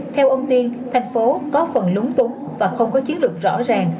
theo ông tiên thành phố có phần lúng túng và không có chiến lược rõ ràng